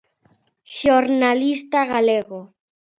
Xornalista galego.